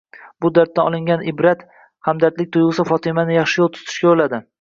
bu darddan olingan ibratlar, hamdardlik tuyg'usi Fotimani yaxshi yo'l tutishga yo'lladi.